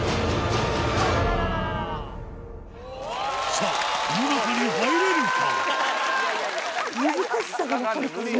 さぁこの中に入れるか？